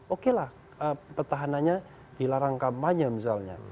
oke lah petahananya dilarang kampanye misalnya